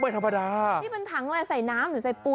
ไม่ธรรมดานี่เป็นถังอะไรใส่น้ำหรือใส่ปูน